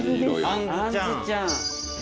あんずちゃん。